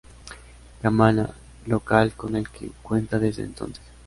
Camaná, local con el que cuenta desde entonces.